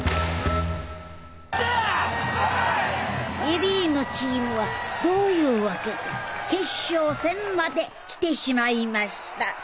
恵里のチームはどういうわけか決勝戦まできてしまいました。